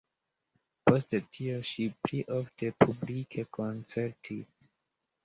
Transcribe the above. Post tio ŝi pli ofte publike koncertis.